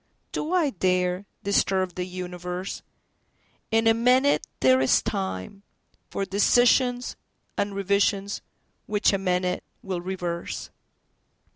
Do I dareDisturb the universe? In a minute there is timeFor decisions and revisions which a minute will reverse.